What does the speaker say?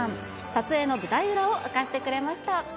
撮影の舞台裏を明かしてくれまし